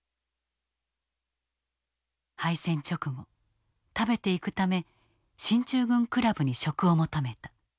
敗戦直後食べていくため進駐軍クラブに職を求めた。